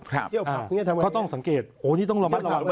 เพราะต้องสังเกตโอ้นี่ต้องระมัดระวังนะครับ